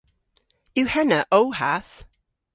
Yw henna ow hath?